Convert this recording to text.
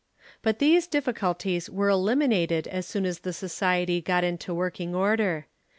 But these difficulties were eliminated as soon as the Society got into working order.